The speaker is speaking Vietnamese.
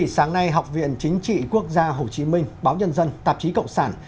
sáng nay học viện chính trị quốc gia hồ chí minh báo nhân dân tạp chí cộng sản